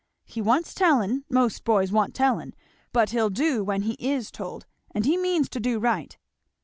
He wants tellin'; most boys want tellin'; but he'll do when he is told, and he means to do right."